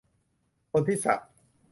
คนที่สัก